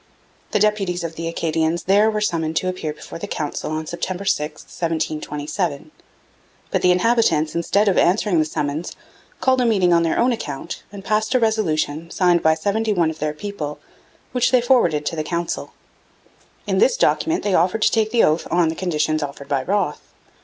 The deputies of the Acadians there were summoned to appear before the Council on September 6, 1727. But the inhabitants, instead of answering the summons, called a meeting on their own account and passed a resolution, signed by seventy one of their people, which they forwarded to the Council. In this document they offered to take the oath on the conditions offered by Wroth.